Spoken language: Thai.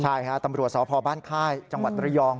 ใช่ฮะตำรวจสพบ้านค่ายจังหวัดระยอง